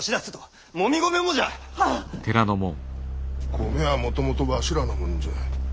米はもともとわしらのもんじゃ。